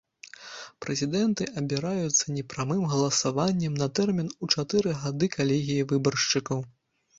Прэзідэнты абіраюцца непрамым галасаваннем на тэрмін у чатыры гады калегіяй выбаршчыкаў.